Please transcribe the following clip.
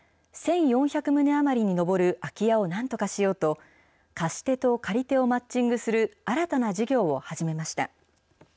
１４００棟余りに上る空き家をなんとかしようと、貸し手と借り手をマッチングする新たな事業を始めました。